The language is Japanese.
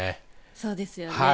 そうですよね。